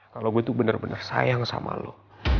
kalau gue tuh bener bener sayang sama lo